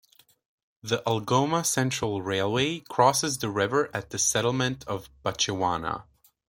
The Algoma Central Railway crosses the river at the settlement of Batchewana.